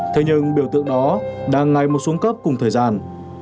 thế nhưng biểu tượng đó đang ngày một xuống cấp cùng thời gian